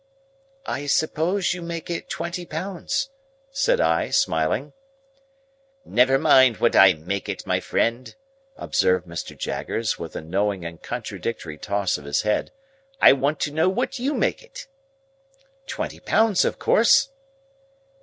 "I suppose you make it twenty pounds," said I, smiling. "Never mind what I make it, my friend," observed Mr. Jaggers, with a knowing and contradictory toss of his head. "I want to know what you make it." "Twenty pounds, of course."